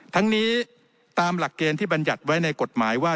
ทั้งนี้ตามหลักเกณฑ์ที่บรรยัติไว้ในกฎหมายว่า